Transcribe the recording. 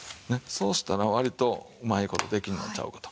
そうしたら割とうまい事できるのちゃうかと。